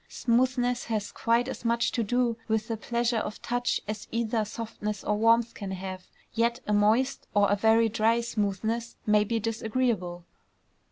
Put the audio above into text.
Smoothness has quite as much to do with the pleasure of touch as either softness or warmth can have; yet a moist or a very dry smoothness may be disagreeable.